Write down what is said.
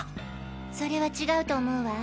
それは違うと思うわ。